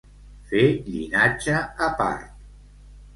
Fer llinatge a part.